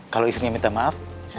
kalau istrinya minta maaf